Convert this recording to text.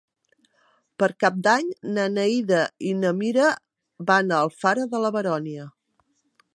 Per Cap d'Any na Neida i na Mira van a Alfara de la Baronia.